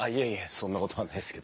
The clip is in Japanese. そんなことはないですけど。